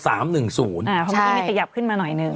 อ่าเพราะมันก็ไม่มีขยับขึ้นมาหน่อยนึง